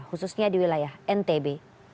khususnya di wilayah ntb